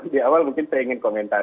ya tentu di awal mungkin pengen komentar